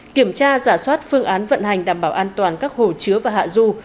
kiểm tra giả soát phương án vận hành đảm bảo an toàn các hồ chứa và hạ du